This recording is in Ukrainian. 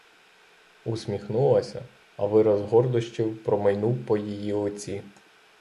Усміхнулася, а вираз гордощів промайнув по її лиці.